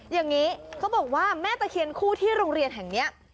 อย่างนี้เขาบอกว่าแม่ตะเคียนคู่ที่โรงเรียนแห่งนี้